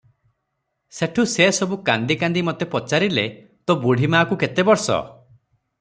ସେଠୁ ସେ ସବୁ କାନ୍ଦି କାନ୍ଦି ମୋତେ ପଚାରିଲେ ତୋ ବୁଢ଼ୀମାଆକୁ କେତେ ବର୍ଷ?